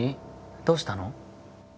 どうしたの？